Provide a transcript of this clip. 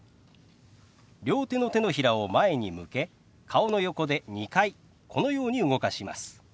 両手の手のひらを前に向け顔の横で２回このように動かします。